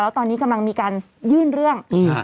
ตอนนี้กำลังมีการยื่นเรื่อง